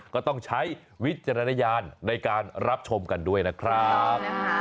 ก็ต้องใช้วิจารณญาณในการรับชมกันด้วยนะครับ